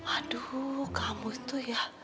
aduh kamu tuh ya